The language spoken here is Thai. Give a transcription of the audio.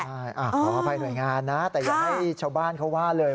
ใช่ขออภัยหน่วยงานนะแต่อย่าให้ชาวบ้านเขาว่าเลย